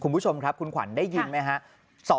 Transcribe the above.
คุณผู้ชมครับคุณขวัญได้ยินไหมครับ